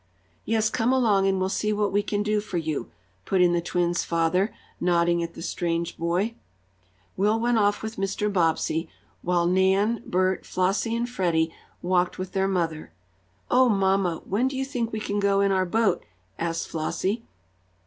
"Yes, come along and we'll see what we can do for you," put in the twins' father, nodding at the strange boy. Will went off with Mr. Bobbsey, while Nan, Bert, Flossie and Freddie walked with their mother. "Oh, mamma, when do you think we can go in our boat?" asked Flossie.